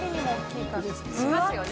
篠田）しますよね